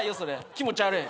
気持ち悪い。